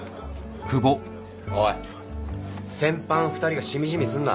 おい戦犯２人がしみじみすんな。